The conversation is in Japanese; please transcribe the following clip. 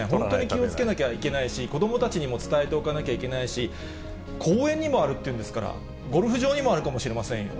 木をつけなきゃいけないし、子どもたちにも伝えておかなきゃいけないし、公園にもあるっていうんですから、ゴルフ場にもあるかもしれませんよ。